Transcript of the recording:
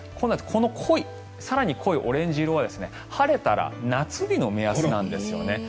この更に濃いオレンジ色は晴れたら夏日の目安なんですよね。